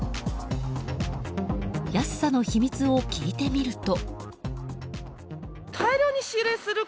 安さの秘密を聞いてみると。